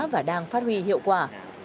và đang phát huy hiệu quả